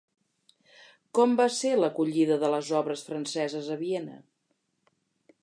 Com va ser l'acollida de les obres franceses a Viena?